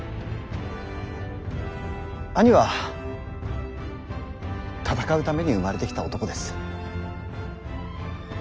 兄は戦うために生まれてきた男です。